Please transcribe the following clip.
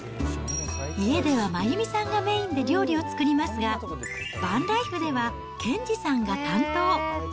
家では眞由美さんがメインで料理を作りますが、バンライフでは、兼次さんが担当。